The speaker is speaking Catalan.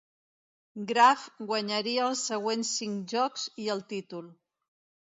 Graf guanyaria els següents cinc jocs i el títol.